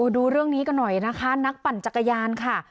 ดูเรื่องนี้กันหน่อยนะคะนักปั่นจักรยานค่ะ